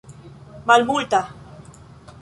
malmulta